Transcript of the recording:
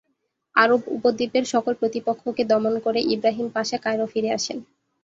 আরব উপদ্বীপের সকল প্রতিপক্ষকে দমন করে ইবরাহিম পাশা কায়রো ফিরে আসেন।